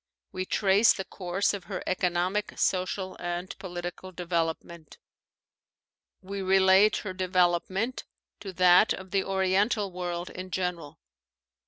We trace the course of her economic, social, and political development. We relate her development to that of the oriental world in general.